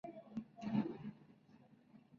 Tiene su sede en la ciudad de Quito.